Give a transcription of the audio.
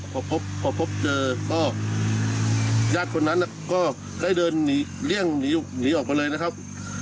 พอพบเจอก็ญาติคนนั้นก็ได้เดินหนีเลี่ยงหนีออกมาเลยนะครับ